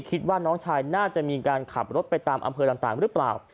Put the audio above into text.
คิดว่าน้องชายน่าจะมีการขับรถไปตามอำเภอต่างหรือเปล่า